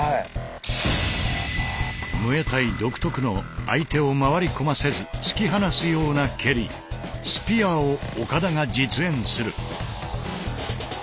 ムエタイ独特の相手を回り込ませず突き放すような蹴り「スピア」を岡田が実演する。